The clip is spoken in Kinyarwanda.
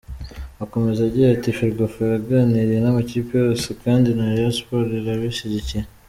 Akomeza agira ati “Ferwafa yaganiriye n’amakipe yose kandi na Rayon Sports irabishyigikiye.